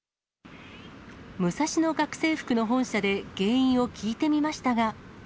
ムサシノ学生服の本社で原因を聞いてみましたが。